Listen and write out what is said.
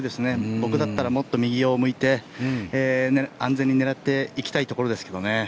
僕だったらもっと右を向いて安全に狙っていきたいところですけどね。